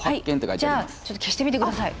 じゃあちょっと消してみて下さい。